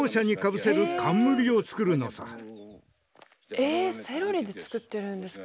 えセロリで作ってるんですか？